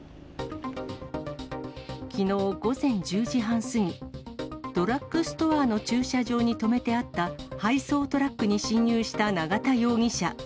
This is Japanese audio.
きのう午前１０時半過ぎ、ドラッグストアの駐車場に止めてあった配送トラックに侵入した永田容疑者。